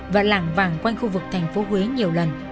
và lảng vàng quanh khu vực tp hcm nhiều lần